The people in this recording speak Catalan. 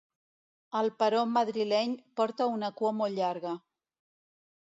El però madrileny porta una cua molt llarga.